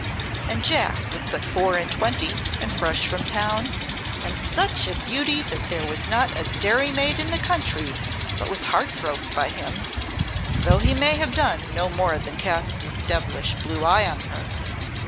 And Jack was but four and twenty and fresh from town, and such a beauty that there was not a dairymaid in the country but was heartbroke by him though he may have done no more than cast his devilish blue eye on her.